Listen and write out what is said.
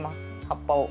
葉っぱを。